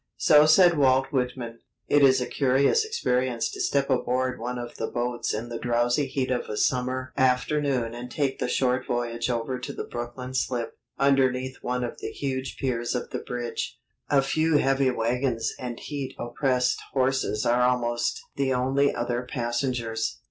So said Walt Whitman. It is a curious experience to step aboard one of the boats in the drowsy heat of a summer afternoon and take the short voyage over to the Brooklyn slip, underneath one of the huge piers of the Bridge. A few heavy wagons and heat oppressed horses are almost the only other passengers.